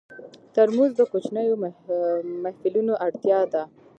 ترموز د کوچنیو محفلونو اړتیا ده.